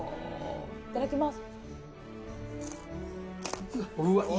いただきます。